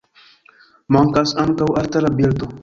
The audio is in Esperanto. Mankas ankaŭ altara bildo.